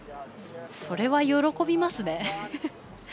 それは喜びますね。